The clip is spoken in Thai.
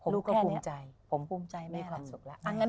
ลูกก็ภูมิใจมีความสุขแล้ว